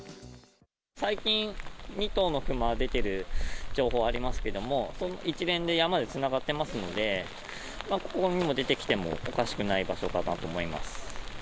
最近、２頭の熊出ている情報がありますけれども、その一連で山でつながってますので、ここにも出てきてもおかしくない場所かなと思いま